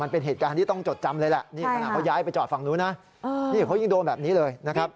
พอย้ายไปจอดฝั่งนู้นเขายังโดนแบบนี้เลยนะครับ